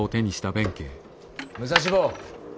武蔵坊。